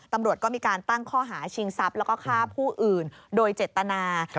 ตำรวจก็มีการตั้งข้อหาชิงทรัพย์แล้วก็ฆ่าผู้อื่นโดยเจตนา